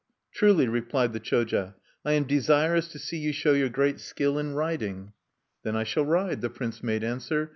"Truly," replied the Choja, "I am desirous to see you show your great skill in riding." "Then I shall ride," the prince made answer.